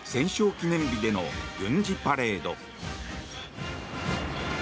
記念日での軍事パレード。